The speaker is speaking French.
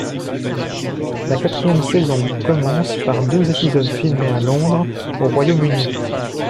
La quatrième saison commence par deux épisodes filmés à Londres, au Royaume-Uni.